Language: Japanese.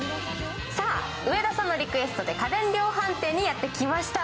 上田さんのリクエストで家電量販店にやってきました。